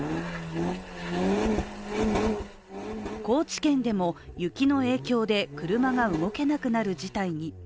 高知県でも雪の影響で車が動けなくなる事態に。